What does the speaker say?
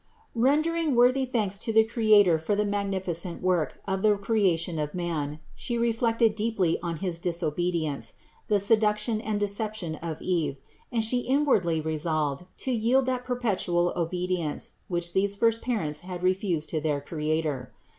64. Rendering worthy thanks to the Creator for the magnificent work of the creation of man, She reflected deeply on his disobedience, the seduction and deception of Eve, and She inwardly resolved to yield that perpetual obedience, which these first parents had refused to their Creator.